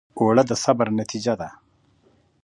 اوړه د صبر نتیجه ده